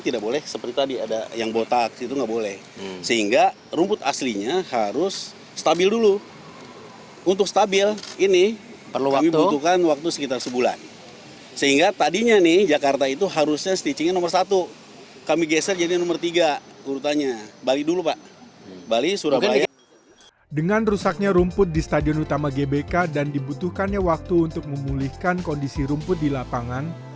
dengan rusaknya rumput di stadion utama gbk dan dibutuhkannya waktu untuk memulihkan kondisi rumput di lapangan